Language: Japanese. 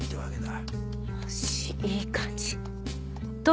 よしいい感じ。